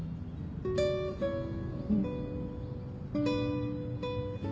うん。